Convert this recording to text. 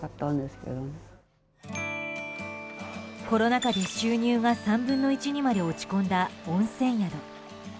コロナ禍で収入が３分の１にまで落ち込んだ温泉宿。